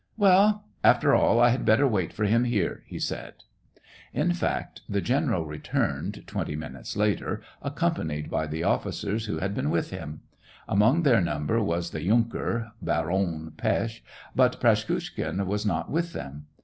" Well, after all, I had better wait for him here," he said. In fact, the general returned, twenty minutes later, accompanied by the officers, who had been with him ; among their number was the yunker, Baron Pesth, but Praskukhin was not with them.